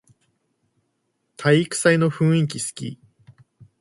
体育祭の雰囲気すき